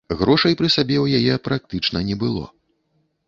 Грошай пры сабе ў яе практычна не было.